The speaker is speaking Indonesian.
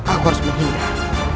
aku harus menghindari